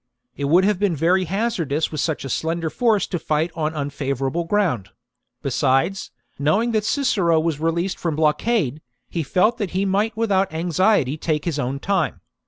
^ It would have been very hazardous with such a slender force to fight on unfavourable ground ; besides, knowing that Cicero was released from blockade, he felt that he might without anxiety take his own time.